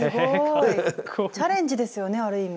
チャレンジですよねある意味。